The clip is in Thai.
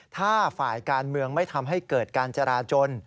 ถ้าฝ่ายการเมืองไม่ทำให้เกิดการจราจน